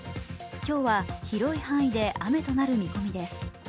今日は広い範囲で雨となる見込みです。